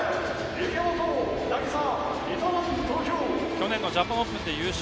去年のジャパンオープンで優勝。